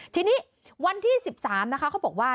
ทีนี้วันที่๑๓นะคะเขาบอกว่า